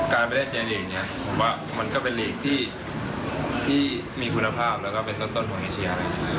การไปเล่นเจียร์ลีกมันก็เป็นลีกที่มีคุณภาพและก็เป็นต้นของอีเชีย